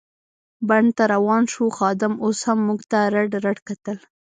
بڼ ته روان شوو، خادم اوس هم موږ ته رډ رډ کتل.